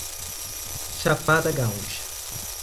Chapada Gaúcha